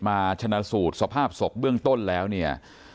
ชนะสูตรสภาพศพเบื้องต้นแล้วเนี่ย